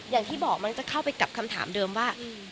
อย่างที่บอกมันจะเข้าไปกับคำถามเดิมว่า